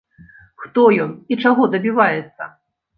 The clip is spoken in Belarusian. Хто ён і чаго дабіваецца?